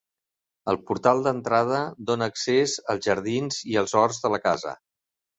El portal d'entrada dóna accés als jardins i als horts de la casa.